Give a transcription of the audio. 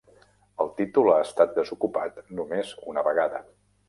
El títol ha estat desocupat només una vegada.